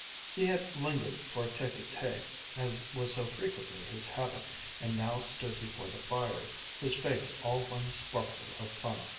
He had lingered for a tête à tête, as was so frequently his habit, and now stood before the fire, his face all one sparkle of fun.